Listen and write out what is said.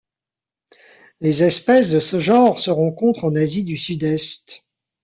Les espèces de ce genre se rencontrent en Asie du Sud-Est.